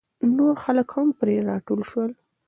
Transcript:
نور خلک هم پرې راټول شول.